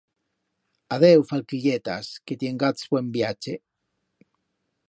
Adeu, falquilletas, que tiengats buen viache.